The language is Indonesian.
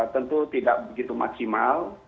tentu tidak begitu maksimal